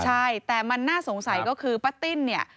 ใช่แต่มันน่าสงสัยก็คือป้าติ้นเนี่ย